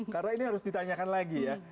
karena ini harus ditanyakan lagi ya